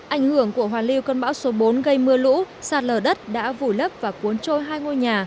ảnh hưởng của hoàn lưu cơn bão số bốn gây mưa lũ sạt lở đất đã vùi lấp và cuốn trôi hai ngôi nhà